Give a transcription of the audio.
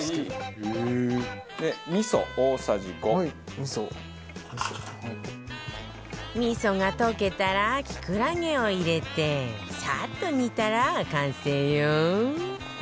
味噌が溶けたらキクラゲを入れてサッと煮たら完成よ